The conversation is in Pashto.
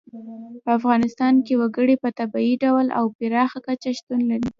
په افغانستان کې وګړي په طبیعي ډول او پراخه کچه شتون لري.